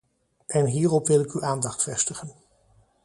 En hierop wil ik uw aandacht vestigen.